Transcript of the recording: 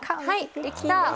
できた！